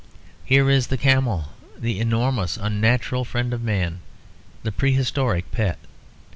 Here is the camel; the enormous unnatural friend of man; the prehistoric pet.